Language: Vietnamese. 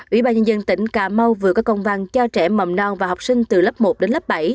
ủy ban nhân dân tỉnh cà mau vừa có công văn cho trẻ mầm non và học sinh từ lớp một đến lớp bảy